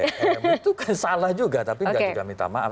itu kan salah juga tapi enggak juga minta maaf